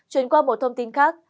chuyển qua một thông tin khác